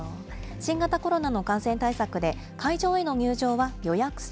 新型コロナの感染対策で、会場への入場は予約制。